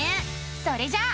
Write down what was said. それじゃあ。